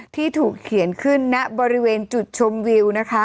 ที่ถูกเขียนขึ้นณบริเวณจุดชมวิวนะคะ